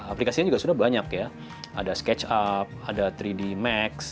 aplikasinya juga sudah banyak ada sketchup ada tiga d max